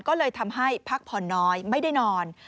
ก็เลยทำให้พักผ่อนน้อยไม่ได้นอน